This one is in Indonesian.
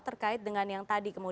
terkait dengan yang tadi